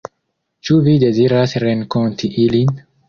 Ĉu vi deziras renkonti ilin?